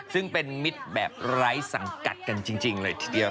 ซึ่งเป็นมิตรแบบไร้สังกัดกันจริงเลยทีเดียว